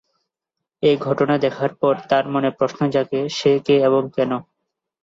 এ ঘটনা দেখার পর তার মনে প্রশ্ন জাগে, সে কে এবং কেন?